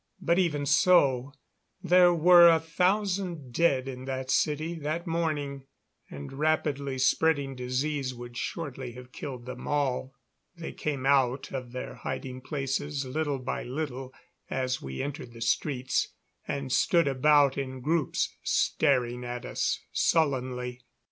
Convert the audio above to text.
But even so, there were a thousand dead in that city that morning, and rapidly spreading disease would shortly have killed them all. They came out of their hiding places little by little as we entered the streets, and stood about in groups staring at us sullenly.